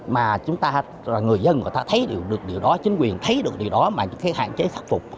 mà chúng ta là người dân người ta thấy được điều đó chính quyền thấy được điều đó mà hạn chế khắc phục